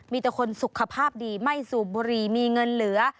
มีแต่คนสุขภาพดีไม่สูบบุหรี่มีเงินเหลือ